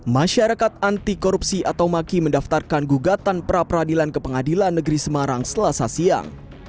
masyarakat anti korupsi atau maki mendaftarkan gugatan pra peradilan ke pengadilan negeri semarang selasa siang